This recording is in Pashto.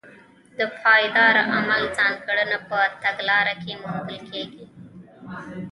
د پایداره عمل ځانګړنه په تګلاره کې موندل کېږي.